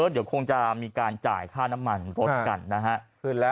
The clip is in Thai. เดี๋ยวคงจะมีการจ่ายค่าน้ำมันรถกันนะฮะ